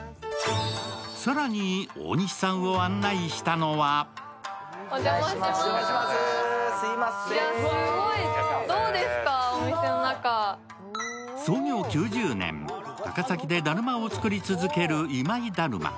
更に、大西さんを案内したのは創業９０年、高崎でだるまを作り続ける今井だるま。